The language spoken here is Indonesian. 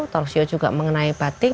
talk show juga mengenai batik